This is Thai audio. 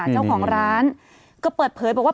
เจ้าของร้านก็เปิดเผยบอกว่า